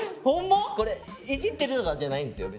これいじってるとかじゃないんですよ